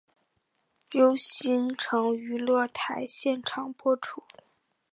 由新城娱乐台现场播出。